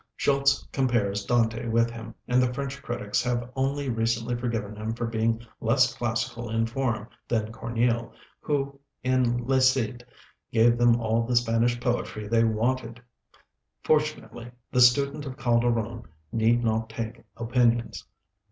Schultze compares Dante with him, and the French critics have only recently forgiven him for being less classical in form than Corneille, who in 'Le Cid' gave them all the Spanish poetry they wanted! Fortunately the student of Calderon need not take opinions.